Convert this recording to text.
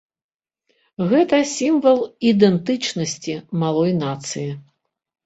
Гэта сімвал ідэнтычнасці малой нацыі.